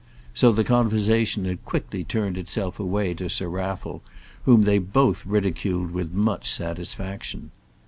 So the conversation had quickly turned itself away to Sir Raffle, whom they had both ridiculed with much satisfaction.